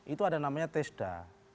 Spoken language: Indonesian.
itu ada namanya tesda